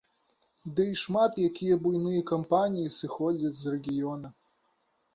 Ды і шмат якія буйныя кампаніі сыходзяць з рэгіёна.